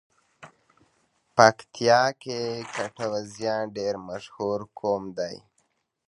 پکیتیکا کې ګټوازیان ډېر مشهور قوم دی.